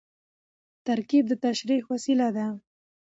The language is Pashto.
ترکیب د تشریح وسیله ده.